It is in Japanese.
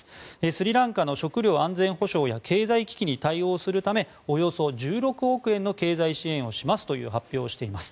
スリランカの食料安全保障や経済危機に対応するためおよそ１６億円の経済支援をしますという発表をしています。